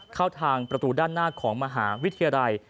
เข้าทางประตูด้านหน้าของมหาวิทยาลัย